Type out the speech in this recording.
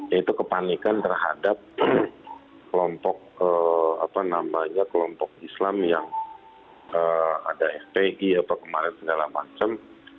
yaitu kepanikan terhadap kelompok islam yang ada fpi apa kemarin segala macam